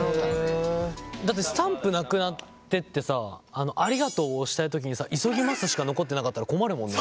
だってスタンプ無くなってってさありがとうを押したい時にさ急ぎますしか残ってなかったら困るもんね。